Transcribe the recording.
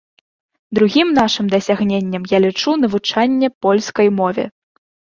Другім нашым дасягненнем я лічу навучанне польскай мове.